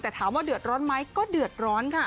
แต่ถามว่าเดือดร้อนไหมก็เดือดร้อนค่ะ